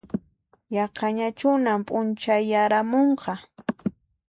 Yaqañachunan p'unchayaramunqa